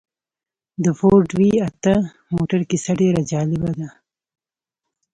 د فورډ وي اته موټر کيسه ډېره جالبه ده.